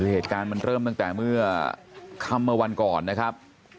เหตุการณ์มันเริ่มตั้งแต่เมื่อค่ำเมื่อวันก่อนนะครับ